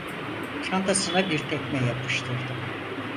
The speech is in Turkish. Çantasına bir tekme yapıştırdı.